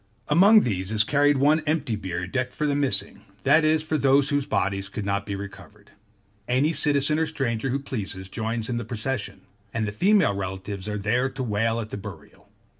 Among these is carried one empty bier decked for the missing, that is, for those whose bodies could not be recovered. Any citizen or stranger who pleases, joins in the procession: and the female relatives are there to wail at the burial.